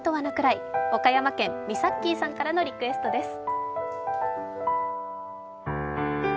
岡山県・みさっきいさんからのリクエストです。